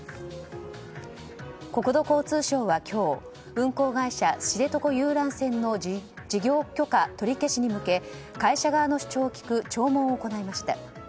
国土交通省は今日運航会社、知床遊覧船の事業許可取り消しに向け会社側の主張を聞く聴聞を行いました。